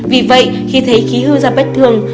vì vậy khi thấy khí hưu ra bất thường